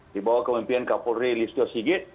di bawah kemimpinan kak polri lisjo sigit